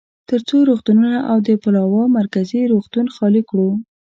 ترڅو روغتونونه او د پلاوا مرکزي روغتون خالي کړو.